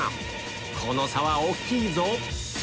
この差は大きいぞ